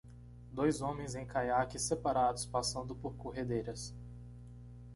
Dois homens em caiaques separados passando por corredeiras.